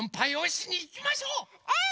うん！